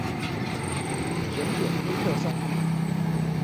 甜點黑客松